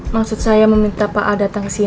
maksud saya meminta pak a datang ke sini